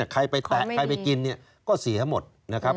ใครไปแตะใครไปกินเนี่ยก็เสียหมดนะครับ